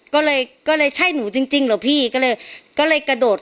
ก็เลยก็เลยใช่หนูจริงจริงเหรอพี่ก็เลยก็เลยกระโดด